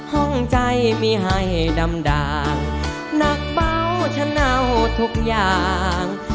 ห้องใจมีให้ดำด่างหนักเบาชะเนาทุกอย่าง